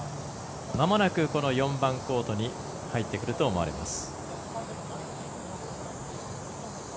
まもなくこの４番コートに入ってくると思われます。